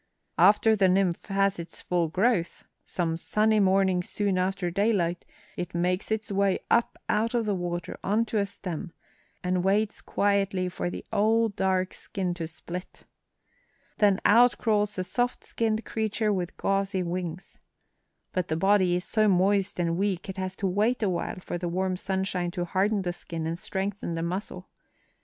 "After the nymph has its full growth, some sunny morning soon after daylight, it makes its way up out of the water on to a stem and waits quietly for the old dark skin to split. Then out crawls a soft skinned creature with gauzy wings. But the body is so moist and weak it has to wait awhile for the warm sunshine to harden the skin and strengthen the muscle.